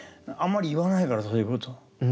あんまり言わないからさそういうこと。